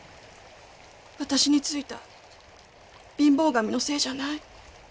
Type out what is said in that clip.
私についた貧乏神のせいじゃない！